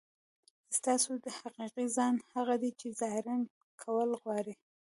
ستاسو حقیقي ځان هغه دی چې تظاهر کول غواړي.